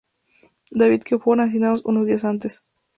David que fueron asesinados unos días antes.